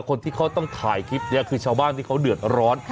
คนที่เขาต้องถ่ายคลิปนี้คือชาวบ้านที่เขาเดือดร้อน